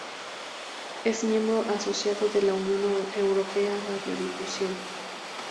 Es miembro asociado de la Unión Europea de Radiodifusión.